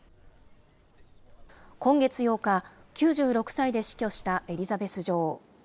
今月８日、９６歳で死去したエリザベス女王。